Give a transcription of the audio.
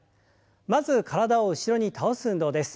まず体を後ろに倒す運動です。